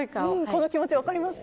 この気持ち、分かります？